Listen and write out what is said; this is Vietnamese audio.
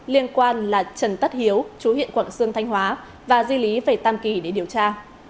liên quan là trần tất hiếu chú huyện quảng sương thanh hóa và di lý về tam kỳ để điều tra